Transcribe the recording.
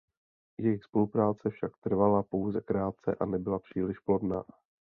Jejich spolupráce však trvala pouze krátce a nebyla příliš plodná.